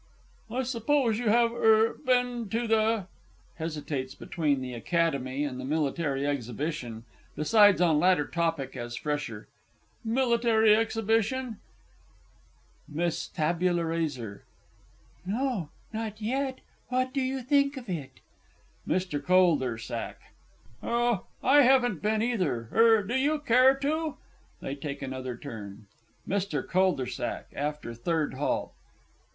I suppose you have er been to the (hesitates between the Academy and the Military Exhibition decides on latter topic as fresher) Military Exhibition? MISS T. R. No not yet. What do you think of it? MR. C. Oh I haven't been either. Er do you care to ? [They take another turn. MR. C. (after third halt).